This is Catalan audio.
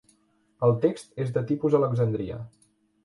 El text és de tipus Alexandria.